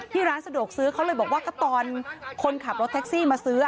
ร้านสะดวกซื้อเขาเลยบอกว่าก็ตอนคนขับรถแท็กซี่มาซื้อ